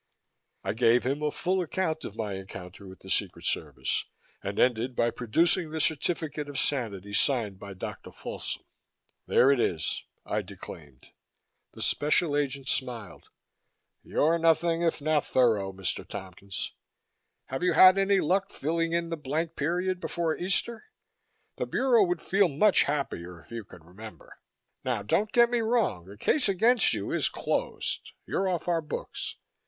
I gave him a full account of my encounter with the Secret Service and ended by producing the certificate of sanity signed by Dr. Folsom. "There it is," I declaimed. The Special Agent smiled. "You're nothing if not thorough, Mr. Tompkins. Have you had any luck filling in that blank period before Easter? The Bureau would feel much happier if you could remember. Now don't get me wrong. The case against you is closed. You're off our books.